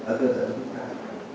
người dân ở địa phương